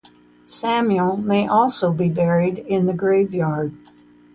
Samuel may also be buried in the graveyard.